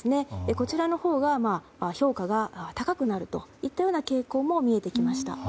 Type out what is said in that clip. こちらのほうが評価が高くなるといった傾向も見えてきました。